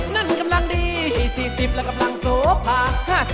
๓๐นั้นกำลังดี๔๐แล้วรำลังโสภา